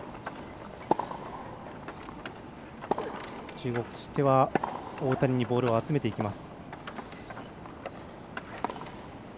中国大谷にボールを集めていきます。